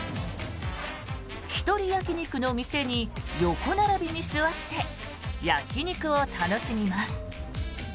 一人焼き肉の店に横並びに座って焼き肉を楽しみます。